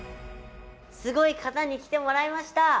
すごい方に来てもらいました！